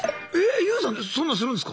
ＹＯＵさんそんなんするんすか？